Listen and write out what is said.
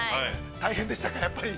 ◆大変でしたか、やっぱり。